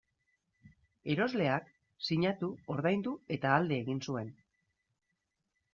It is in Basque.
Erosleak sinatu, ordaindu eta alde egin zuen.